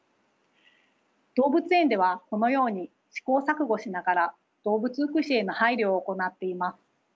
動物園ではこのように試行錯誤しながら動物福祉への配慮を行っています。